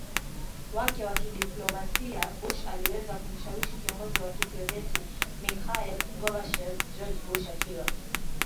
wake wa kidiplomasia Bush aliweza kumshawishi kiongozi wa Kisovyeti Mikhail GorbachevGeorge Bush akiwa